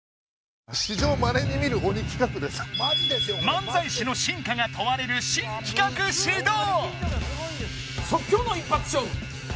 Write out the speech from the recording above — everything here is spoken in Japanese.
漫才師の真価が問われる新企画始動！